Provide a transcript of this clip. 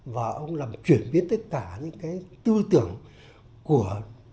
và ông làm chuyển biến tất cả những cái tư tưởng của